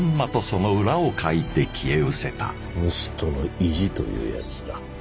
その裏をかいて消えうせた盗人の意地というやつだ。